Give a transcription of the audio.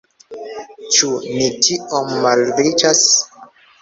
Ĉu ni tiom malriĉas?